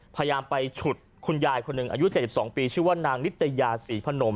พยายามไปฉุดคุณยายคนหนึ่งอายุ๗๒ปีชื่อว่านางนิตยาศรีพนม